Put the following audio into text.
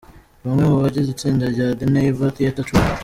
Bamwe mu bagize itsinda rya The Neighbor Theater Troop.